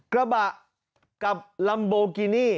กระบะกับลัมโบกินี่